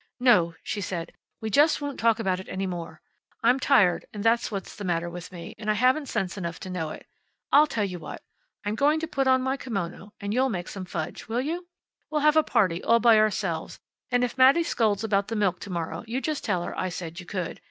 "No," she said, "we just won't talk about it any more. I'm tired, that's what's the matter with me, and I haven't sense enough to know it. I'll tell you what. I'm going to put on my kimono, and you'll make some fudge. Will you? We'll have a party, all by ourselves, and if Mattie scolds about the milk to morrow you just tell her I said you could.